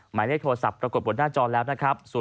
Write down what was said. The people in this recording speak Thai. หมายเลขโทรศัพท์ปรากฏบนหน้าจอแล้วนะครับ๐๘๕๔๐๐๓๓๓๔